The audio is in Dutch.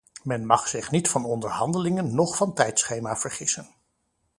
Men mag zich niet van onderhandelingen, noch van tijdschema vergissen.